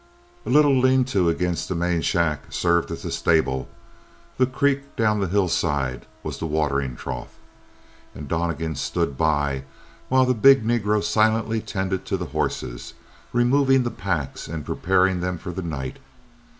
A little lean to against the main shack served as a stable; the creek down the hillside was the watering trough. And Donnegan stood by while the big Negro silently tended to the horses removing the packs and preparing them for the night.